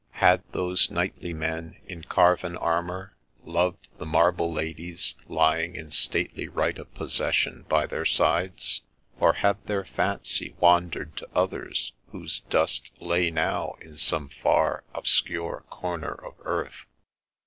Had those knightly men in carven armour loved the marble ladies lying in stately right of possession by their sides, or had their fancy wandered to others whose dust lay now in some far, obscure corner of earth